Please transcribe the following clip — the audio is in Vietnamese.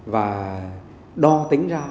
và đo tính ra